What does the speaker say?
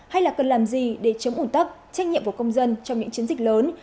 hay là cần làm gì để chống ủn tắc trách nhiệm của công dân trong những chiến dịch lớn